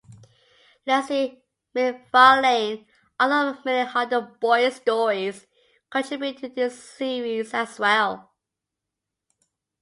Leslie McFarlane, author of many Hardy Boys stories, contributed to this series as well.